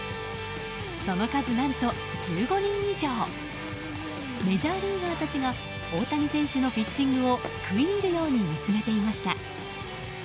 その数、何と１５人以上メジャーリーガーたちが大谷選手のピッチングを食い入るように見つめていました。